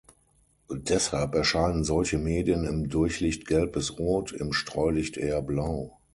Deshalb erscheinen solche Medien im Durchlicht gelb bis rot, im Streulicht eher blau.